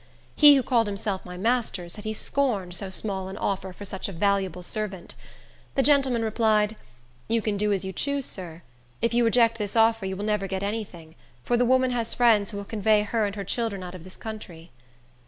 He who called himself my master said he scorned so small an offer for such a valuable servant. The gentleman replied, "You can do as you choose, sir. If you reject this offer you will never get any thing; for the woman has friends who will convey her and her children out of the country."